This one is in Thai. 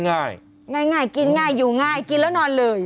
ง่ายง่ายกินง่ายอยู่ง่ายกินแล้วนอนเลย